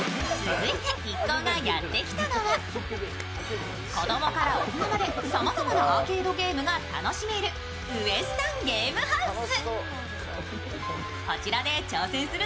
続いて一行がやってきたのは、子供から大人までさまざまなアーケードゲームが楽しめるウエスタンゲームハウス。